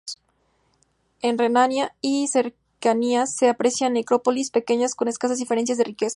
En Renania y cercanías se aprecian necrópolis pequeñas con escasas diferencias de riqueza.